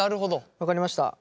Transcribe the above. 分かりました。